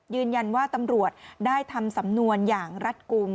ยืนยันว่าตำรวจได้ทำสำนวนอย่างรัดกลุ่ม